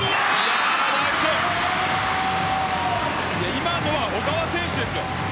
今のは小川選手ですよ。